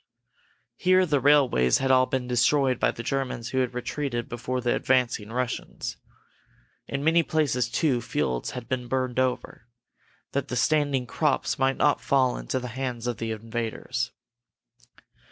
Here the railways had all been destroyed by the Germans who had retreated before the advancing Russians. In many places, too, fields had been burned over, that the standing crops might not fall into the hands of the invaders.